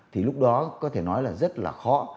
thì lúc đó có thể nói là rất là khó